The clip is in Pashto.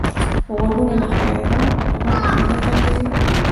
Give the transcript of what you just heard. غوږونه د ښیرا غږ نه تنګېږي